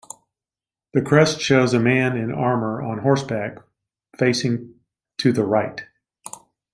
The crest shows a man in armour on horseback, facing to the right.